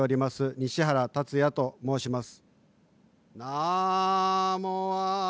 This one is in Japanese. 西原龍哉と申します。